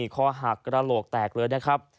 คอหักกระโหลกแตกเลยนะครับ